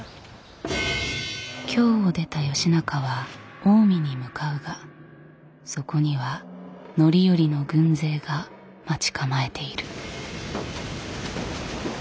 京を出た義仲は近江に向かうがそこには範頼の軍勢が待ち構えている。